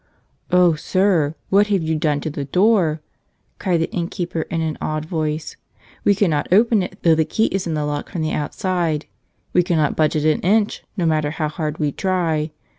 "Oh, sir, what have you done to the door?,, cried the innkeeper in an awed voice. "We cannot open it, though the key is in the lock from the outside. We cannot budge it an inch, no matter how hard we try.